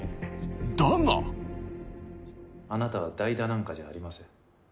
だがあなたは代打なんかじゃありません。